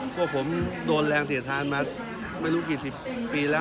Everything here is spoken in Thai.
พวกผมโดนแรงเสียทานมาไม่รู้กี่สิบปีแล้ว